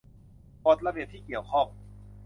กฎระเบียบที่เกี่ยวข้อง